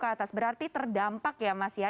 delapan puluh ke atas berarti terdampak ya mas ya